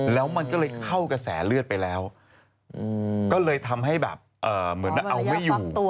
แล้วมันก็เลยเข้ากระแสเลือดไปแล้วก็เลยทำให้แบบเหมือนเอาไม่อยู่